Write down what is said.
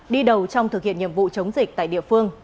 đi đầu trong thực hiện nhiệm vụ chống dịch tại địa phương